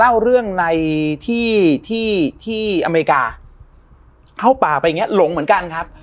เล่าเรื่องในที่ที่อเมริกาเข้าป่าไปอย่างเงี้หลงเหมือนกันครับ